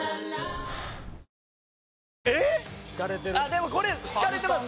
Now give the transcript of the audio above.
でもこれ好かれてます。